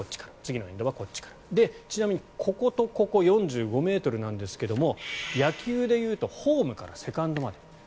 ちなみにこことここ、４５ｍなんですが野球でいうとホームからセカンドまで。